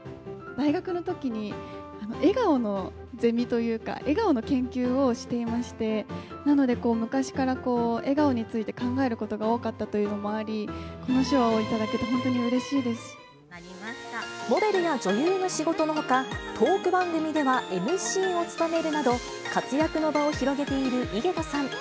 大学のときに、笑顔のゼミというか、笑顔の研究をしていまして、なので、昔からこう、笑顔について考えることが多かったというのもあり、この賞を頂けモデルや女優の仕事のほか、トーク番組ではＭＣを務めるなど、活躍の場を広げている井桁さん。